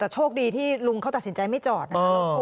แต่โชคดีที่ลุงเขาตัดสินใจไม่จอดนะครับ